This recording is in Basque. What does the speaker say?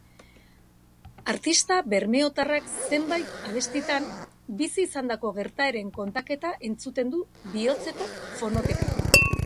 Artista bermeotarrak zenbait abestitan bizi izandako gertaeren kontaketa entzuten du bihotzeko fonotekan.